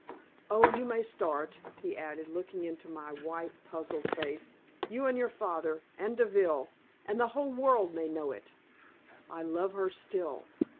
Oh, you may start!" he added, looking into my white, puzzled face; "you and your father, and Deville, and the whole world may know it. I love her still!